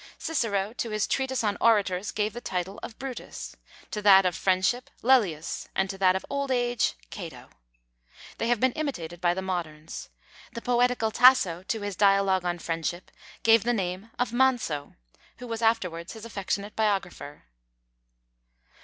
Cicero to his Treatise on Orators gave the title of Brutus; to that of Friendship, Lelius; and to that of Old Age, Cato. They have been imitated by the moderns. The poetical Tasso to his dialogue on Friendship gave the name of Manso, who was afterwards his affectionate biographer.